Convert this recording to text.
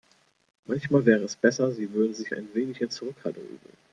Manchmal wäre es besser, sie würde sich ein wenig in Zurückhaltung üben.